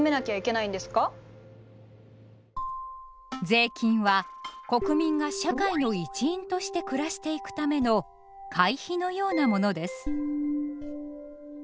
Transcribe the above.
税金は国民が社会の一員として暮らしていくための会費のようなものです。